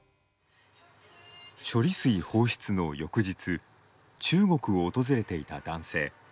処理水放出の翌日中国を訪れていた男性。